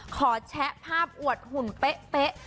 แชะภาพอวดหุ่นเป๊ะ